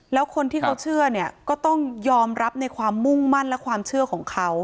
แล้วคนที่เขาเชื่อเนี่ยก็ต้องยอมรับในความมุ่งมั่นและความเชื่อของเขา